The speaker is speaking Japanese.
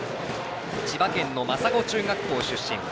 千葉県の真砂中学校出身。